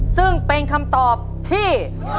ซึ่งเป็นคำตอบที่